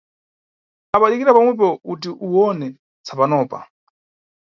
Apa dikira pamwepo, uti uwone tsapanopa.